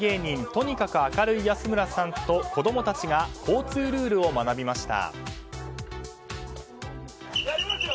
とにかく明るい安村さんと子供たちが交通ルールを学びました。